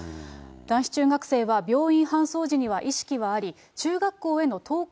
男子中学生は病院搬送時には意識はあり、中学校への登校